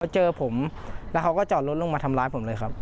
เจอผมแล้วเขาก็จอดรถลงมาทำร้ายผมเลยครับ